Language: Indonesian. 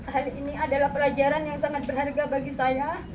hari ini adalah pelajaran yang sangat berharga bagi saya